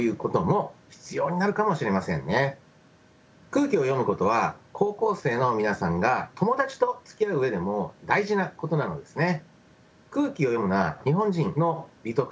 空気を読むことは高校生の皆さんが友達とつきあう上でも大事なことなのですね。